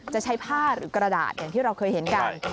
จะใช้ผ้าหรือกระดาษอย่างที่เราเคยเห็นกัน